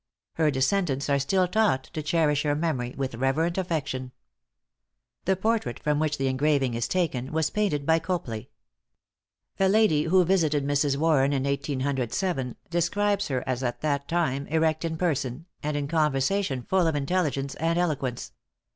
Her descendants are still taught to cherish her memory with reverent affection. The portrait from which the engraving is taken, was painted by Copley. A lady who visited Mrs. Warren in 1807, describes her as at that time erect in person, and in conversation full of intelligence and eloquence.